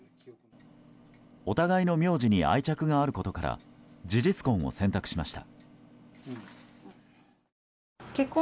お互いの名字に愛着があることから事実婚を選択しました。